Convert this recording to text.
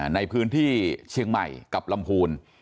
ในพื้นที่เชียงใหม่กับลำพูน